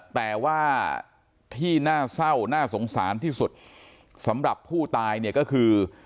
แต่ว่าที่น่าเศร้าน่าสงสารที่สุดสำหรับผู้ตายเนี่ยก็คือ